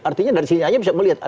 artinya dari sini aja bisa melihat